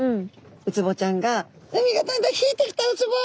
ウツボちゃんが「海がだんだん引いてきたウツボ！